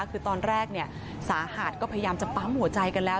คือตอนแรกสาหัสก็พยายามจะปั๊มหัวใจกันแล้ว